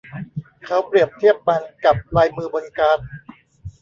เขาเปรียบเทียบมันกับลายมือบนการ์ด